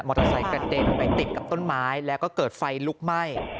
เตอร์ไซค์กระเด็นไปติดกับต้นไม้แล้วก็เกิดไฟลุกไหม้